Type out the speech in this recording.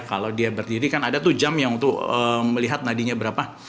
kalau dia berdiri kan ada tuh jam yang untuk melihat nadinya berapa